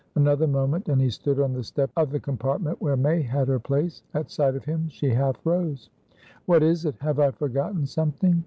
Another moment, and he stood on the step of the compartment where May had her place. At sight of him, she half rose. "What is it? Have I forgotten something?"